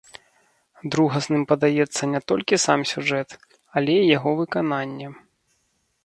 Другасным падаецца не толькі сам сюжэт, але і яго выкананне.